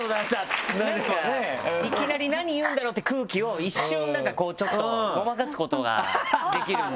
いきなり何言うんだろうっていう空気を一瞬なんかこうちょっとごまかすことができるんで。